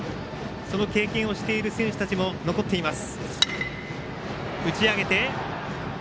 その経験をしている選手たちも残っています。